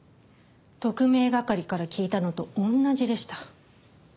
特命係から聞いたのと同じでした。